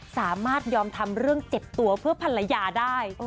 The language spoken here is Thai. สามารถยอมทำเรื่องเจ็บตัวเพื่อภรรยาได้